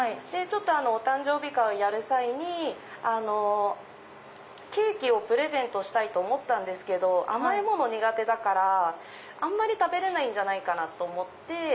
お誕生日会をやる際にケーキをプレゼントしたいと思ったんですけど甘いもの苦手だからあんまり食べれないと思って。